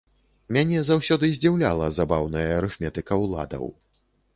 Мяне заўсёды здзіўляла забаўная арыфметыка ўладаў.